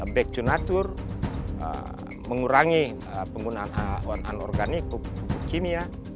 back to nature mengurangi penggunaan organik kimia